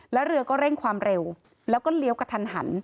แล้วเรือก็เร่งความเร็วแล้วก็เลี้ยวกระทันหัน